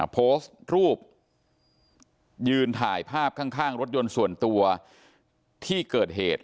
โพสต์รูปยืนถ่ายภาพข้างรถยนต์ส่วนตัวที่เกิดเหตุ